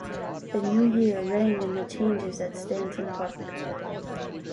The New Year rang in the Changes at Stainton Park.